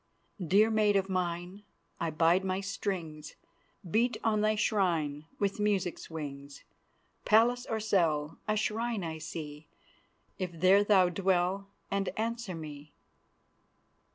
"Dear maid of mine, I bid my strings Beat on thy shrine With music's wings. Palace or cell A shrine I see, If there thou dwell And answer me."